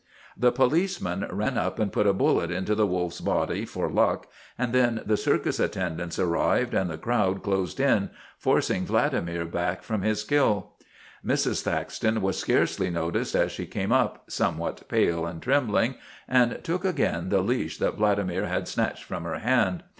The policeman ran up and put a bullet into the wolf's body for luck, and then the circus attendants arrived and the crowd closed in, forcing Vladimir back from his kill. Mrs. Thaxton was scarcely noticed as she came up, somewhat pale and trembling, and took again the leash that Vladimir had snatched from her hand.